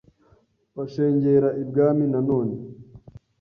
bashengera ibwami na none